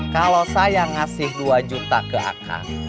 kalau saya ngasih dua juta ke aka